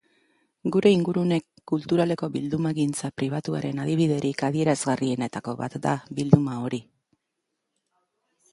Gure ingurune kulturaleko bildumagintza pribatuaren adibiderik adierazgarrienetako bat da bilduma hori.